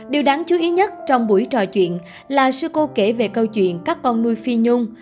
điều đáng chú ý nhất trong buổi trò chuyện là sư cô kể về câu chuyện các con nuôi phi nhung